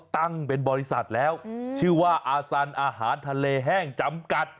ตั้งเป็นบริษัทแล้วชื่อว่าอาสันอาหารทะเลแห้งจำกัด